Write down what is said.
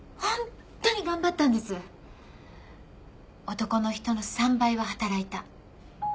男の人の３倍は働いた。